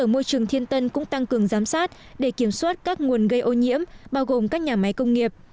môi trường thiên tân cũng tăng cường giám sát để kiểm soát các nguồn gây ô nhiễm bao gồm các nhà máy công nghiệp